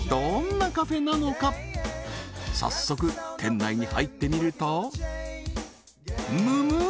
早速店内に入ってみるとむむ！